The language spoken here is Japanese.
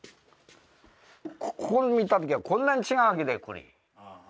ここを見たときはこんなに違うわけだよこれ。